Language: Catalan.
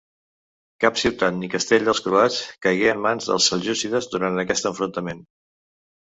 Cap ciutat ni castell dels croats caigué en mans dels seljúcides durant aquest enfrontament.